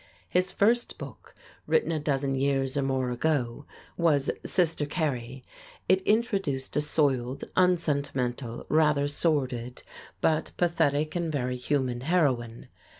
His first book, written a dozen years or more ago, was "Sister Carrie." It introduced a soiled, unsentimental, rather sordid, but pathetic and very human heroine.